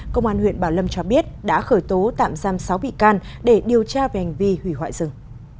công an huyện bảo lâm cho biết đã khởi tố tạm giam sáu bị can để điều tra về hành vi hủy hoại rừng